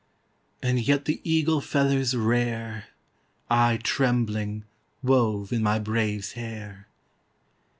And yet the eagle feathers rare,I, trembling, wove in my brave's hair.